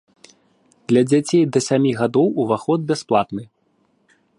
Для дзяцей да сямі гадоў уваход бясплатны.